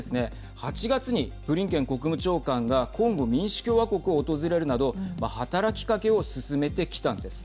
８月にブリンケン国務長官がコンゴ民主共和国を訪れるなど働きかけを進めてきたんです。